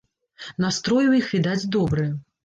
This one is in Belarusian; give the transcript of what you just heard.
Настрой у іх, відаць, добры.